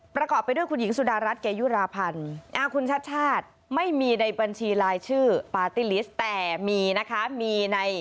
ประกอบไปด้วยคุณหญิงสุดารัฐเกยุราพันธ์คุณชาติชาติไม่มีในบัญชีรายชื่อปาร์ตี้ลิสต์แต่มีนะคะมีใน